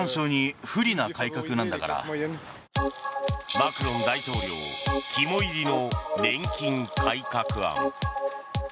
マクロン大統領肝煎りの年金改革案。